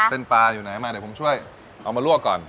ปลาอยู่ไหนมาเดี๋ยวผมช่วยเอามาลวกก่อน